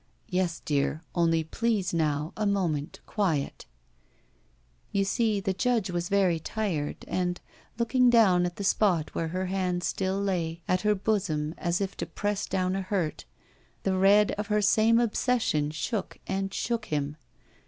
"Yes, dear, only please now — a moment — quiet —" You see, the judge was very tired, and, looking down at the spot where her hand still lay at her bosom as if to press down a hurt, the red of her same obsession shook and shook him.